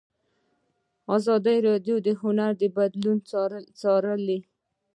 ازادي راډیو د هنر بدلونونه څارلي.